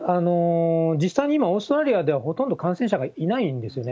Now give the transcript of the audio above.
実際に今、オーストラリアではほとんど感染者がいないんですよね。